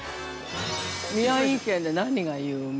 ◆宮城県で何が有名？